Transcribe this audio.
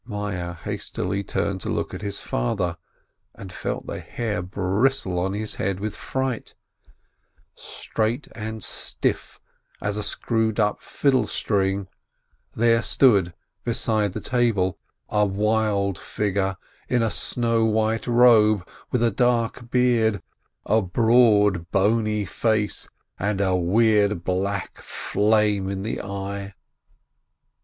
Meyerl hastily turned to look at his father, and felt the hair bristle on his head with fright: straight and stiff as a screwed up fiddle string, there stood beside the table a wild figure, in a snow white robe, with a dark beard, a broad, bony face, and a weird, black flame in the eyes.